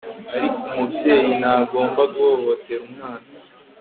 ariko umubyeyi ntagomba guhohotera umwana